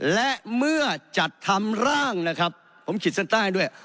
และเมื่อจัดทำร่างนะครับผมขีดเส้นใต้ด้วย